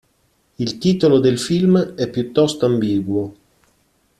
Il titolo del film è piuttosto ambiguo.